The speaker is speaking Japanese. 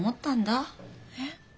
えっ？